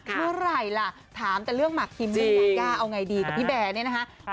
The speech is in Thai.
เมื่อไหร่ล่ะถามแต่เรื่องหมากคิมเลยอยากเอาไงดีกับพี่แบร์เนี่ยนะคะ